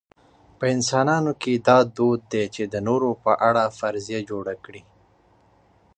په انسانانو کې دا دود دی چې د نورو په اړه فرضیه جوړه کړي.